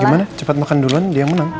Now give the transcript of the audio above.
gimana cepat makan duluan dia yang menang